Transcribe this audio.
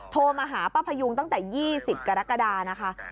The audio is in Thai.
โทรมาหาป้าพยุงตั้งแต่๒๐กรกฎานะคะ